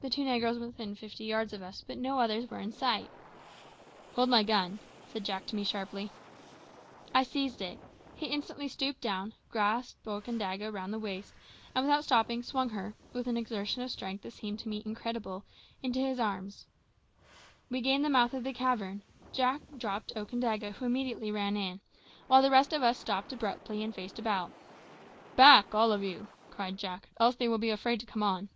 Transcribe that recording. The two negroes were within fifty yards of us, but no others were in sight. "Hold my gun," said Jack to me sharply. I seized it. He instantly stooped down, grasped Okandaga round the waist, and without stopping, swung her, with an exertion of strength that seemed to me incredible, into his arms. We gained the mouth of the cavern; Jack dropped Okandaga, who immediately ran in, while the rest of us stopped abruptly and faced about. "Back, all of you," cried Jack, "else they will be afraid to come on."